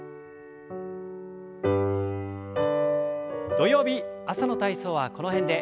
土曜日朝の体操はこの辺で。